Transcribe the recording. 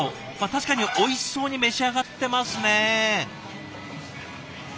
確かにおいしそうに召し上がってますね。